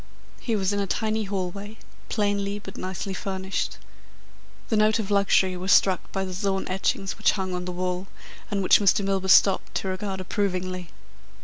He was in a tiny hallway, plainly but nicely furnished. The note of luxury was struck by the Zohn etchings which hung on the wall, and which Mr. Milburgh stopped to regard approvingly.